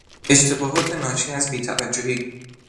اشتباهات ناشی از بی توجهی